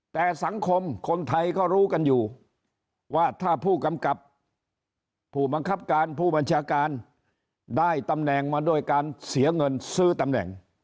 แต่สังคมคนไทยก็รู้กันอยู่ว่าถ้าผู้กำกับผู้บังคับการผู้บัญชาการได้ตำแหน่งมาด้วยการเสียเงินซื้อตำแหน่ง